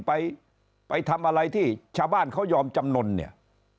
ไปไปทำอะไรที่ชาวบ้านเขายอมจำนวนเนี่ย